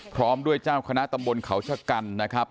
พร้อมด้วยเจ้าคณะตำบลเขาชะกันนะครับ